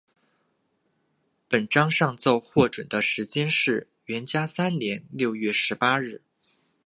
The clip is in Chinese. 本章上奏获准的时间是元嘉三年六月十八日。